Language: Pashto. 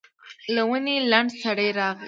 له ونې لنډ سړی راغی.